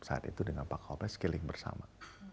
saat itu dengan pak kopes keliling bersama